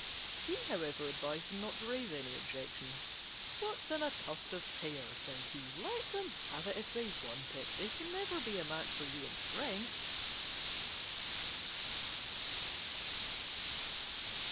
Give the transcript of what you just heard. He, however, advised them not to raise any objections. "What's in a tuft of hair?" said he. "Let them have it if they want it. They can never be a match for you in strength."